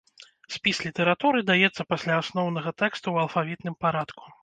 Спіс літаратуры даецца пасля асноўнага тэксту ў алфавітным парадку.